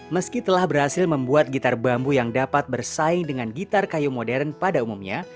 meski telah berhasil membuat gitar bambu yang dapat bersaing dengan gitar kayu modern pada umumnya